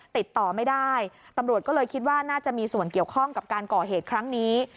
ติดต่อไม่ได้ตำรวจก็เลยคิดว่าน่าจะมีส่วนเกี่ยวข้องกับการก่อเหตุครั้งนี้